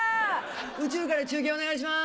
宇宙から中継お願いします。